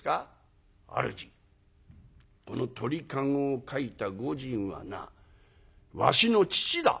「主この鳥籠を描いた御仁はなわしの父だ」。